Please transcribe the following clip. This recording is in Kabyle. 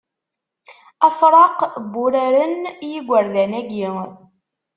Afraq n wuraren i yigerdan-agi.